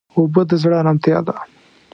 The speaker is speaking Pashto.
اوبه د زړه ارامتیا ده.